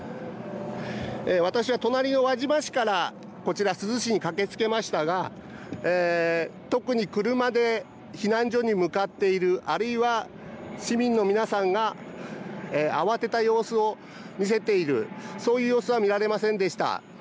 私は隣の輪島市からこちら、珠洲市に駆けつけましたが特に車で避難所に向かっている、あるいは市民の皆さんが慌てた様子を見せている、そういう様子は見られませんでした。